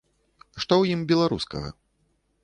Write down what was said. Што ў ім беларускага?